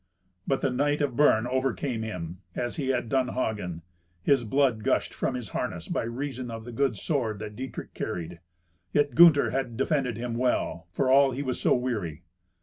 But the knight of Bern overcame him, as he had done Hagen. His blood gushed from his harness by reason of the good sword that Dietrich carried. Yet Gunther had defended him well, for all he was so weary.